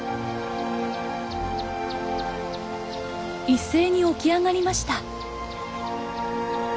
一斉に起き上がりました。